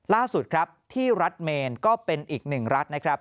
ล่าสุดครับที่รัฐเมนก็เป็นอีกหนึ่งรัฐนะครับ